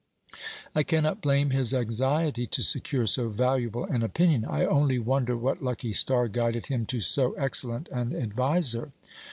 "I cannot blame his anxiety to secure so valuable an opinion. I only wonder what lucky star guided him to so excellent an adviser."